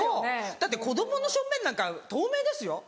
だって子供の小便なんか透明ですよ。